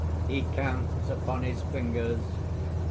(_He counts upon his fingers.